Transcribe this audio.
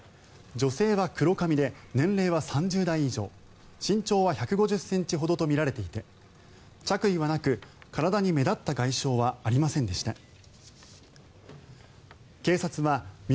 女性は黒髪で年齢は３０代以上身長は１５０ｃｍほどとみられていて着衣はなく、体に目立った外傷はありませんでした。